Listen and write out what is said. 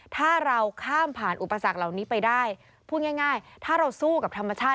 ถ้าเราข้ามผ่านอุปสรรคเหล่านี้ไปได้พูดง่ายถ้าเราสู้กับธรรมชาติ